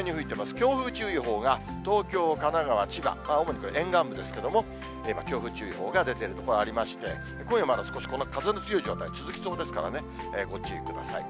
強風注意報が東京、神奈川、千葉、主にこれ、沿岸部ですけども、今、強風注意報が出てる所ありまして、今夜まだ少し、この風の強い状態続きそうですからね、ご注意ください。